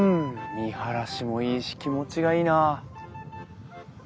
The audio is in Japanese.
見晴らしもいいし気持ちがいいな。